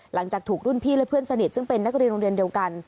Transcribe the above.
หลังจากถูกรุ่นพี่และเพื่อนสนิทซึ่งเป็นนักเรียนโรงเรียนเดียวกัน